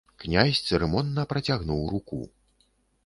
Князь цырымонна працягнуў руку.